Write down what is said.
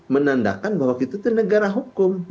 menandakan bahwa kita itu negara hukum